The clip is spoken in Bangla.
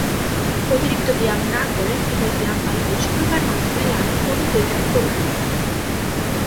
অতিরিক্ত ব্যায়াম না করে কেবল ব্যায়াম আলে বসে থাকার মাধ্যমে লাভের কোনও বৈজ্ঞানিক প্রমাণ নেই।